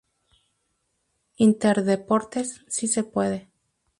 Interdeportes...Si se puede